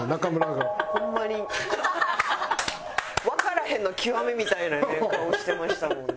ホンマにわからへんの極みみたいな顔してましたもんね。